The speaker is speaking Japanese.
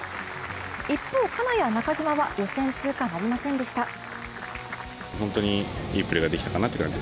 一方、金谷、中島は予選通過なりませんでした。